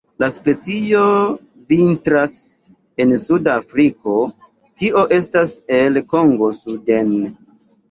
La specio vintras en suda Afriko, tio estas el Kongo suden.